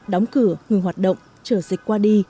đóng cửa ngừng hoạt động chờ dịch qua đi